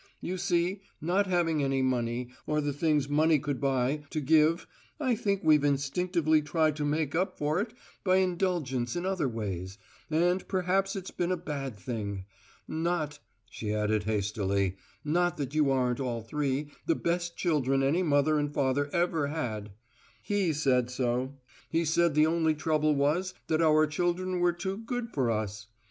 You see, not having any money, or the things money could buy, to give, I think we've instinctively tried to make up for it by indulgence in other ways, and perhaps it's been a bad thing. Not," she added hastily, "not that you aren't all three the best children any mother and father ever had! He said so. He said the only trouble was that our children were too good for us."